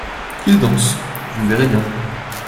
Qu'il danse, vous verrez bien.